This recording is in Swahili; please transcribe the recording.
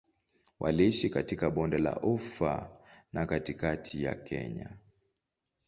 Waliishi katika Bonde la Ufa na katikati ya Kenya.